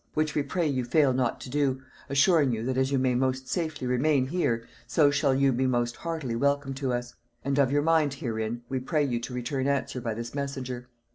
Which we pray you fail not to do: Assuring you, that as you may most safely remain here, so shall you be most heartily welcome to us. And of your mind herein we pray you to return answer by this messenger.